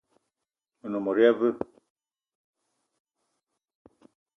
One mot ya veu?